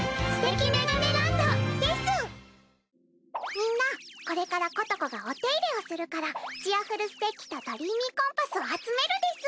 みんなこれからことこがお手入れをするからチアふるステッキとドリーミーコンパスを集めるです！